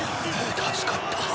助かった。